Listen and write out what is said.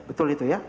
betul itu ya